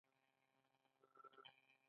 اصلاح کول اوبه پاشل دي